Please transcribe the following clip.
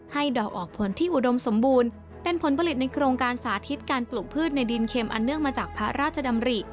ดอกออกผลที่อุดมสมบูรณ์เป็นผลผลิตในโครงการสาธิตการปลูกพืชในดินเข็มอันเนื่องมาจากพระราชดำริ